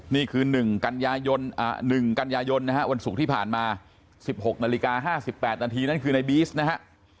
นี่คือ๑กันยายนนะฮะวันศุกร์ที่ผ่านมา๑๖นาฬิกา๕๘นาทีนั่นคือในบีซนะฮะ